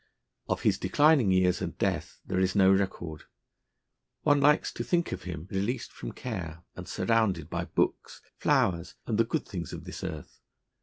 Of his declining years and death there is no record. One likes to think of him released from care, and surrounded by books, flowers, and the good things of this earth.